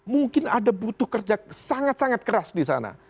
mungkin ada butuh kerja sangat sangat keras di sana